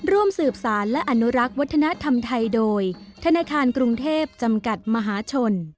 ร่วมสืบสารและอนุรักษ์วัฒนธรรมไทยโดยธนาคารกรุงเทพจำกัดมหาชน